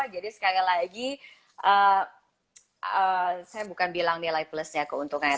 jadi sekali lagi saya bukan bilang nilai plusnya keuntungannya